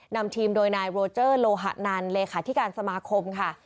นำทีมโดยนายโรเจอร์โลหะนันเลขาธิการสมาคมค่ะ